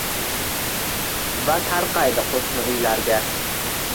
va tarqaydi qoʼshni uylarga